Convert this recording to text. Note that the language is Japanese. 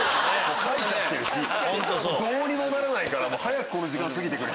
どうにもならないから早くこの時間過ぎてくれ！